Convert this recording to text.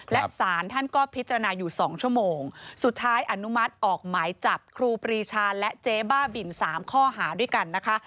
และสารท่านก็พิจารณาอยู่๒ชั่วโมงสุดท้ายอนุมัติออกหมายจับครูปรีชาและเจ๊บ้าบิน๓ข้อหาด้วยกันนะคะ